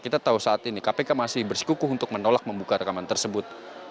kita tahu saat ini kpk masih bersikukuh untuk menolak membuka rekaman tersebut